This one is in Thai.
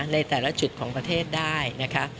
ในแต่ละจุดของประเทศได้นะคะ